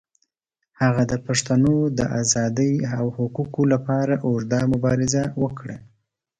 هغه د پښتنو د آزادۍ او حقوقو لپاره اوږده مبارزه وکړه.